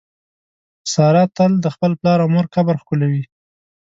ساره تل د خپل پلار او مور قبر ښکلوي.